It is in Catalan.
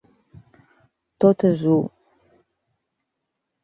Tot és u.